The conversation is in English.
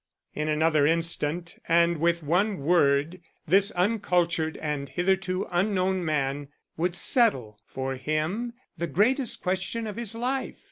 In another instant and with one word this uncultured and hitherto unknown man would settle for him the greatest question of his life.